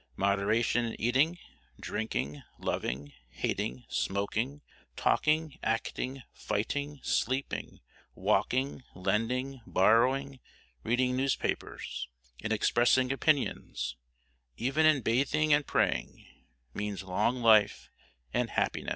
Moderation in eating, drinking, loving, hating, smoking, talking, acting, fighting, sleeping, walking, lending, borrowing, reading newspapers in expressing opinions even in bathing and praying means long life and happiness.